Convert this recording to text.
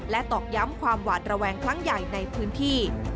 ตอกย้ำความหวาดระแวงครั้งใหญ่ในพื้นที่